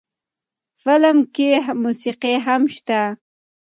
فلم کښې موسيقي هم شته